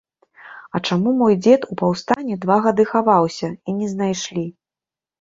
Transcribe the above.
А чаму мой дзед у паўстанне два гады хаваўся, і не знайшлі.